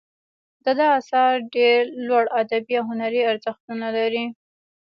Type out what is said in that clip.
د ده آثار ډیر لوړ ادبي او هنري ارزښت لري.